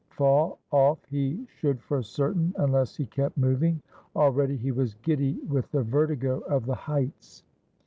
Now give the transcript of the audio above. Fall off he should for certain, unless he kept moving. Already he was giddy with the vertigo of the heights.